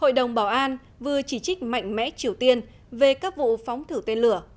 hội đồng bảo an vừa chỉ trích mạnh mẽ triều tiên về các vụ phóng thử tên lửa